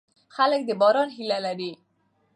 خلک د باران هیله لري.